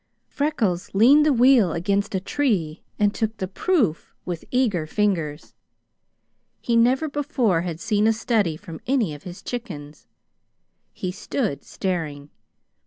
Freckles leaned the wheel against a tree and took the proof with eager fingers. He never before had seen a study from any of his chickens. He stood staring.